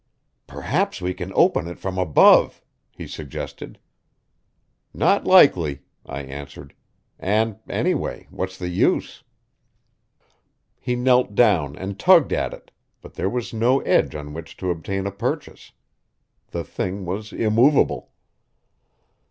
"Perhaps we can open it from above," he suggested. "Not likely," I answered, "and, anyway, what's the use?" He knelt down and tugged at it, but there was no edge on which to obtain a purchase. The thing was immovable.